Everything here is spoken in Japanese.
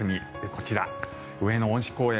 こちら、上野恩賜公園。